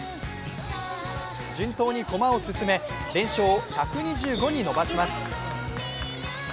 順当に駒を進め、連勝を１２５に伸ばします。